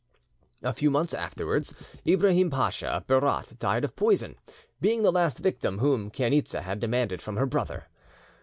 A few months afterwards, Ibrahim Pacha of Berat died of poison, being the last victim whom Chainitza had demanded from her brother.